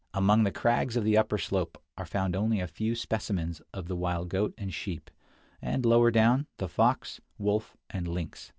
Among the crags of the upper slope are found only a few specimens of the wild goat and sheep, and, lower down, the fox, wolf, and lynx.